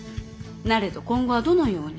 なれど今度はどのように。